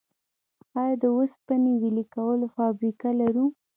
آیا د وسپنې ویلې کولو فابریکه لرو؟